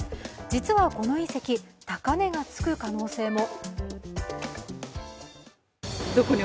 実はこの隕石、高値がつく可能性も。